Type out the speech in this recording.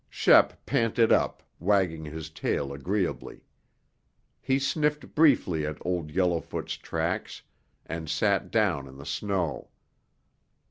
Shep panted up, wagging his tail agreeably. He sniffed briefly at Old Yellowfoot's tracks and sat down in the snow.